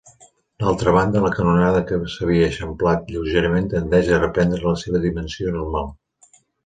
D'altra banda, la canonada que s'havia eixamplat lleugerament tendeix a reprendre la seva dimensió normal.